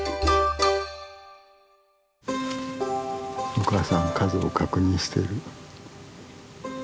お母さん数を確認してる。